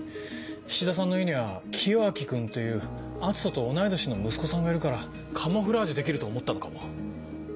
菱田さんの家には清明君っていう篤斗と同い年の息子さんがいるからカムフラージュできると思ったのかも。